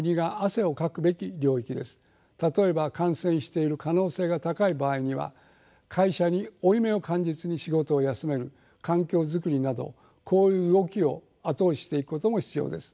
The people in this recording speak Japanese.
例えば感染している可能性が高い場合には会社に負い目を感じずに仕事を休める環境作りなどこういう動きを後押ししていくことも必要です。